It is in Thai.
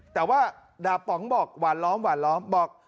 แต่ว่าดาบป๋องบอกหวานล้อมบอก